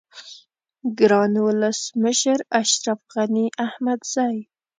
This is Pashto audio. گران ولس مشر اشرف غنی احمدزی